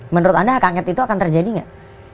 menurut anda hak angket itu akan terjadi nggak